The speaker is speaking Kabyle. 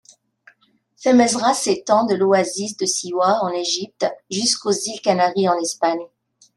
Tamazgha s'étend de l'oasis de Siwa en Égypte jusqu'aux îles Canaries en Espagne.